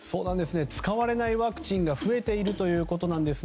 使われないワクチンが増えているということなんです。